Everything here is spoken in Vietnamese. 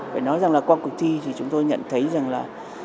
phải nói rằng là qua cuộc thi thì chúng tôi nhận thấy rằng là